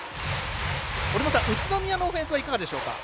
折茂さん、宇都宮のオフェンスはいかがでしょうか？